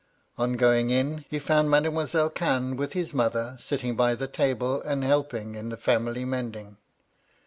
On going in, he found Mademoiselle Cannes with his mother, sitting by the table, and helping in the family mending.